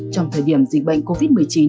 trong thời điểm dịch bệnh covid một mươi chín